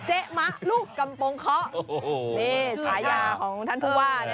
เจ๊มะลูกกำปงเคาะโอ้โหนี่ฉายาของท่านผู้ว่านะ